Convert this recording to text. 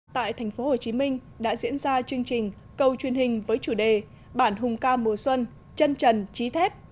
tại tp hcm đã diễn ra chương trình cầu truyền hình với chủ đề bản hùng ca mùa xuân trân trần trí thép